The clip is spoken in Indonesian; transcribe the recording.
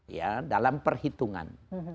ya dalam perhitungan